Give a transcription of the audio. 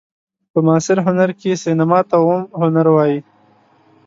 په معاصر هنر کښي سېنما ته اووم هنر وايي.